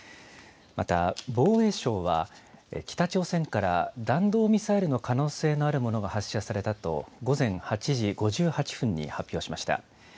また、防衛省は、北朝鮮から弾道ミサイルの可能性のあるものが発射されたと、午前８時５８分に発表しました。